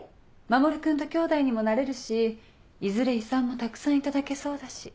守君と姉弟にもなれるしいずれ遺産もたくさん頂けそうだし。